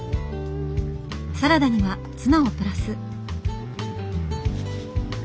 サラダにはツナをプラス。